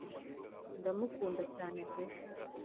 ndamukunda cyane pe